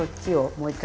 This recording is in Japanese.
もう一度。